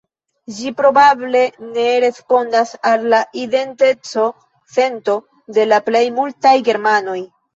Ĝi probable ne respondas al la identeco-sento de la plej multaj germanoj.